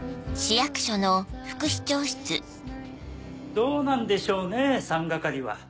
どうなんでしょうね三係は。